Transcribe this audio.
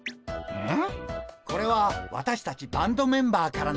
うん？